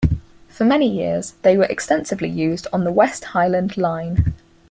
For many years they were extensively used on the West Highland Line.